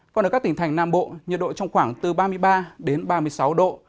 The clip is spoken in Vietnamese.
còn ở các tỉnh thành nam bộ nhiệt độ trong khoảng từ ba mươi ba đến ba mươi sáu độ